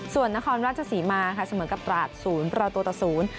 ส่วนนครราชศรีมาค่ะเหมือนกับตราด๐ประโลตัวต่อ๐